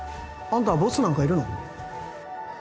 あんたボスなんかいるの？